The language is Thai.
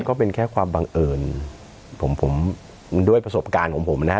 ก็เป็นแค่ความบังเอิญผมผมด้วยประสบการณ์ของผมนะฮะ